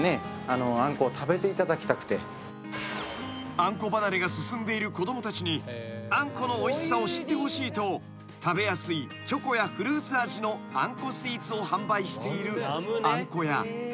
［あんこ離れが進んでいる子供たちにあんこのおいしさを知ってほしいと食べやすいチョコやフルーツ味のあんこスイーツを販売しているあん小屋］